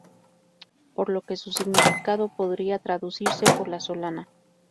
Por lo que su significado podría traducirse por 'La Solana'.